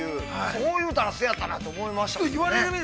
そう言ったら、そうやったなと思いましたよね。